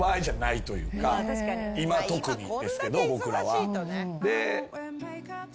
今特にですけど僕らは。